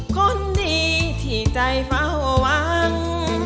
คนดีที่ใจเฝ้าหวัง